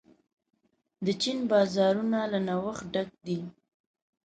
د چین بازارونه له نوښت ډک دي.